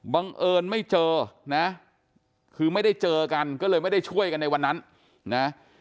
บังเอิญไม่เจอนะคือไม่ได้เจอกันก็เลยไม่ได้ช่วยกันในวันนั้นนะ